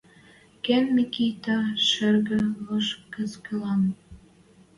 Кен Микитӓ шӹргӹ лош кӹцкӹлӓн